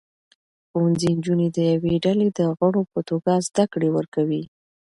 ښوونځي نجونې د یوې ډلې د غړو په توګه زده کړې ورکوي.